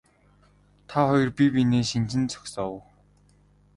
Тэр хоёр бие биенээ шинжин зогсов.